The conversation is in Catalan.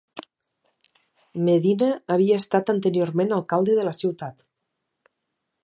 Medina havia estat anteriorment alcalde de la ciutat.